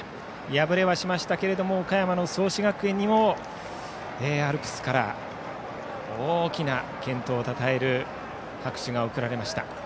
敗れはしましたけれども岡山の創志学園にもアルプスから大きな健闘をたたえる拍手が送られました。